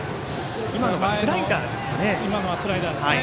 今のがスライダーです。